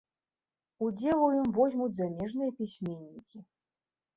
Удзел у ім возьмуць замежныя пісьменнікі.